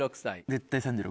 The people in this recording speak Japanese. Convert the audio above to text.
絶対３６。